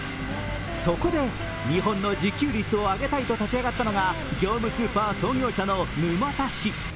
そこで日本の自給率を上げたいと立ち上がったのが業務スーパー創業者の沼田氏。